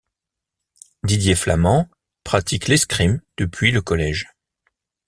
Didier Flament pratique l'escrime depuis le collège.